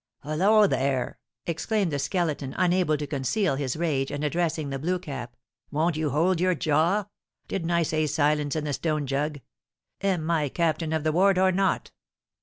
"Holloa, there!" exclaimed the Skeleton, unable to conceal his rage, and addressing the Blue Cap; "won't you hold your jaw? Didn't I say silence in the stone jug? Am I captain of the ward or not?"